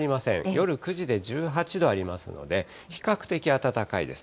夜９時で１８度ありますので、比較的暖かいです。